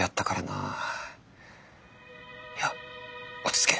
いや落ち着け。